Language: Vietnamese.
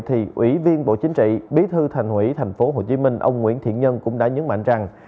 thì ủy viên bộ chính trị bí thư thành ủy tp hcm ông nguyễn thiện nhân cũng đã nhấn mạnh rằng